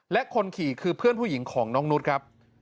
และคนขี่คือเพื่อนผู้หญิงของน้องนุษย์ครับ